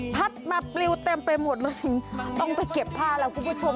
พัดมาปลิวเต็มไปหมดเลยต้องไปเก็บผ้าแล้วคุณผู้ชม